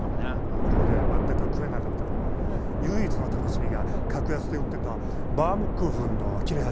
向こうで全く食えなかった頃唯一の楽しみが格安で売ってたバウムクーフンの切れ端でした。